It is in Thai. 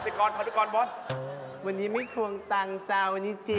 ไม่คิดถึงเธอกำลังอึ่มกวนเจ้า